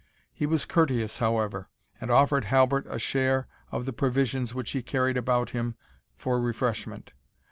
He was courteous, however, and offered Halbert a share of the provisions which he carried about him for refreshment.